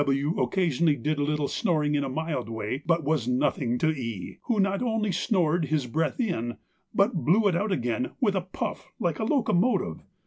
W. occasionally did a little snoring in a mild way, but was nothing to E., who not only snored his breath in, but blew it out again with a puff like a locomotive.